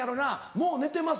「もう寝てます」